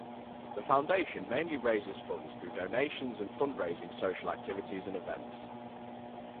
The foundation mainly raises funds through donations and fundraising social activities and events.